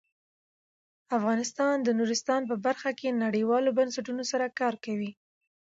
افغانستان د نورستان په برخه کې نړیوالو بنسټونو سره کار کوي.